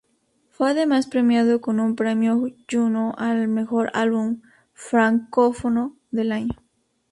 Fue además premiado con un Premio Juno al mejor álbum francófono del año.